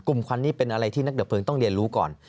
กลุ่มควันนี้เป็นอะไรที่นักเบิกต้องเรียนรู้ก่อน